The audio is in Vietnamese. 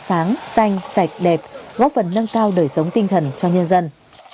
sáng xanh sạch đẹp góp phần nâng cao đời sống tinh thần cho nhân dân